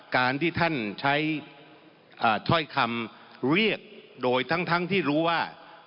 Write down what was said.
การที่ท่านใช้ถ้อยคำเรียกโดยทั้งที่รู้ว่า